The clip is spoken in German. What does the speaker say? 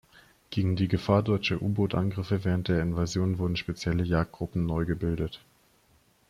Gegen die Gefahr deutscher U-Boot-Angriffe während der Invasion wurden spezielle Jagdgruppen neu gebildet.